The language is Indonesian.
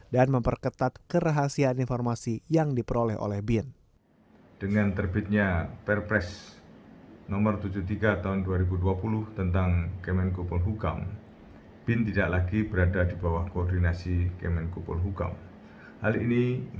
dan memperketat kerahasiaan informasi yang diperoleh oleh bin